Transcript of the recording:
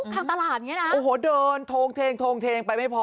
ข้างตลาดอย่างนี้นะโอ้โหเดินโทงเทงโทงเทงไปไม่พอ